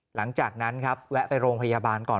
หลังจากนั้นครับแวะไปโรงพยาบาลก่อน